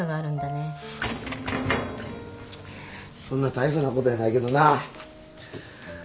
そんな大層なことやないけどな。